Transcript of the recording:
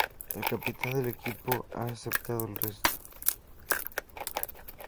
El capitán del equipo ha aceptado el reto.